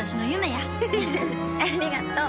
ありがとう。